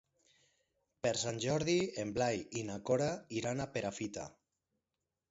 Per Sant Jordi en Blai i na Cora iran a Perafita.